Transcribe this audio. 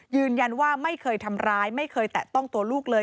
ยืนยันว่าไม่เคยทำร้ายไม่เคยแตะต้องตัวลูกเลย